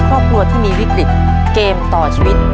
ครอบครัวที่มีวิกฤตเกมต่อชีวิต